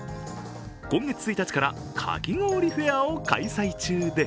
今月１日からかき氷フェアを開催中で